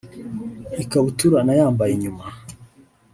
ikabutura nayambaye nyuma